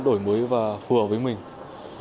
đổi mới và phù hợp với mình